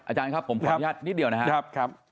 อาจารย์ครับผมขออนุญาตนิดเดียวนะครับ